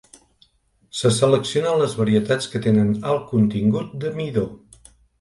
Se seleccionen les varietats que tenen alt contingut de midó.